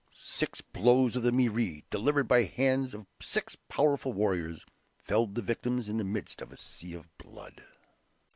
Six blows of the MERE, delivered by the hands of six powerful warriors, felled the victims in the midst of a sea of blood.